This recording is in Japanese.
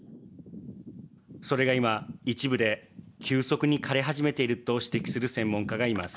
それが、今一部で急速に枯れ始めていると指摘する専門家がいます。